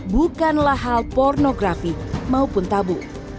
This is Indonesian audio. bukanlah hal pornografi maupun tabu